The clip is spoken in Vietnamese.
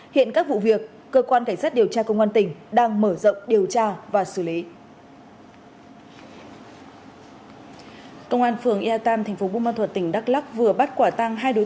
hiện các vụ việc cơ quan cảnh sát điều tra công an tỉnh đang mở rộng điều tra và xử lý